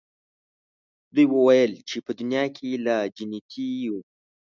دوی ویل چې په دنیا کې لا جنتیی وو.